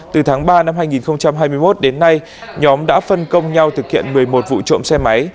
từ tháng ba năm hai nghìn hai mươi một đến nay nhóm đã phân công nhau thực hiện một mươi một vụ trộm xe máy